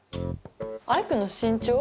アイクの身長？